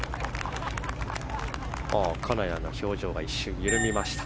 金谷の表情が一瞬、緩みました。